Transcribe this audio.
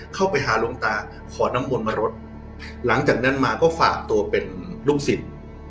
เข้าไปหาหลวงตาขอน้ำมนต์มารดหลังจากนั้นมาก็ฝากตัวเป็นลูกศิษย์